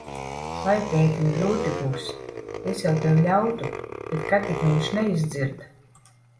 Vai, tētiņ, grūti būs. Es jau tev ļautu, bet ka tik viņš neizdzird.